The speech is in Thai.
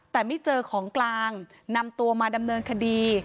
แต่ไม่เจอของกลางนำตัวมาดำเนินคดี